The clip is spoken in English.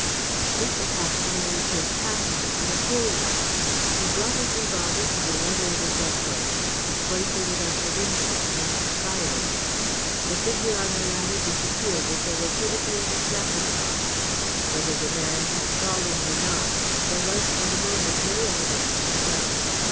Mr. Paxton made his half mind a whole one. He brought his revolver to the level of his elbow; he pointed it at the window, and he fired. The figure on the ladder disappeared with the rapidity of a jack in the box. Whether the man had fallen or not, there was for the moment no evidence to show.